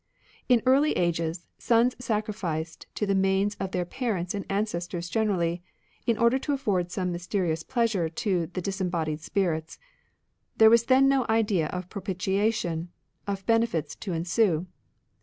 In early ages, sons sacrificed to the manes of their parents and ancestors generally, in order to afford some mysterious pleasure to the disembodied spirits. There was then no idea of propitiation, of benefits to ensue.